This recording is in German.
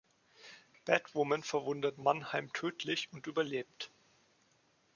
Batwoman verwundet Mannheim tödlich und überlebt.